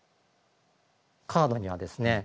カードにはですね